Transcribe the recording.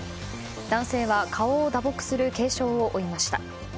男性は顔を打撲する軽傷を負いました。